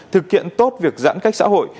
thực hiện tốt việc giãn cách xã hội